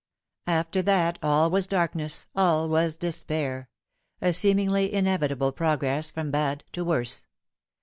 After that all was darkness, all was despair a seemingly inevitable progress from bad to worse.